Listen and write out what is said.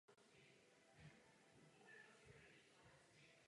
Místo jeho posledního odpočinku není známo.